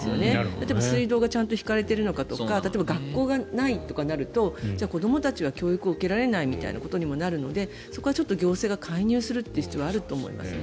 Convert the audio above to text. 例えば水道がちゃんと引かれているのかとか例えば学校がないとなると子どもたちは教育を受けられないみたいなことにもなるのでそこは行政が介入する必要はあると思いますね。